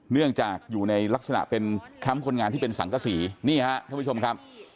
เนื่องจากอยู่ในลักษณะเป็นแคมป์คนงานที่เป็นสังกษีนี่ฮะท่านผู้ชมครับ